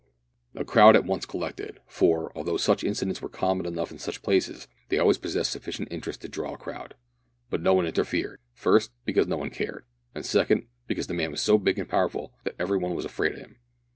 A crowd at once collected, for, although such incidents were common enough in such places, they always possessed sufficient interest to draw a crowd; but no one interfered, first, because no one cared, and, second, because the man was so big and powerful that every one was afraid of him.